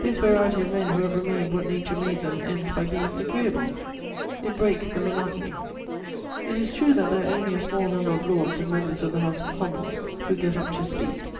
This variety of men who have remained what nature made them ends by being agreeable; it breaks the monotony. It is true that there are only a small number of lords and members of the House of Commons who get up to speak.